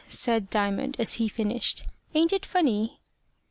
said Diamond, as he finished; "ain't it funny?"